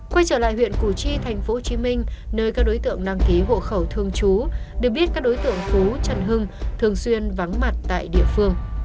quay trở lại huyện củ chi tp hcm nơi các đối tượng đăng ký hộ khẩu thương chú được biết các đối tượng phú trần hưng thường xuyên vắng mặt tại địa phương